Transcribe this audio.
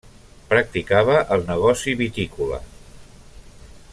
Practicava el negoci vitícola.